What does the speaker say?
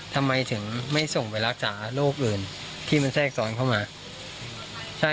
ทำไมถึงไม่ส่งไปรักษาโรคอื่นที่มันแทรกซ้อนเข้ามาใช่